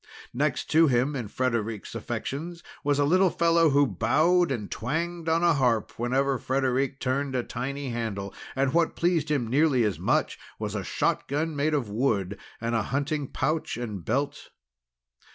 Next to him in Frederic's affections, was a little fellow who bowed, and twanged on a harp, whenever Frederic turned a tiny handle. And, what pleased him nearly as much, was a shotgun of wood and a hunting pouch and belt.